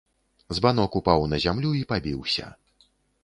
Збанок упаў на зямлю і пабіўся.